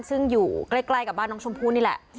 ซึ่งอยู่ใกล้กับบ้านน้องชมพู่นี่แหละ